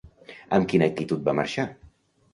Amb quina actitud va marxar?